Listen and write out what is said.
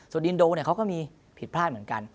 ส่วนอินโดเนี่ยเขาก็มีผิดพลาดเหมือนกัน